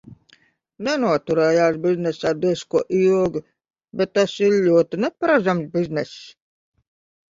Nenoturējās biznesā diez ko ilgi, bet tas ir ļoti neparedzams bizness.